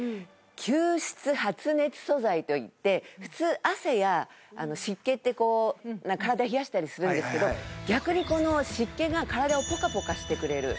吸湿発熱素材といって普通汗や湿気ってこう体を冷やしたりするんですけど逆にこの湿気が体をポカポカしてくれる。